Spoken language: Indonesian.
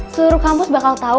seluruh kampus bakal tahu